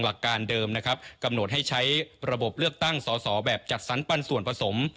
และบัญชายน์รายชื่อจำนวน๑๕๐คน